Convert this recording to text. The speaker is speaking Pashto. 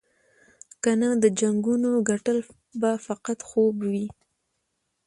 کنه د جنګونو ګټل به فقط خوب وي.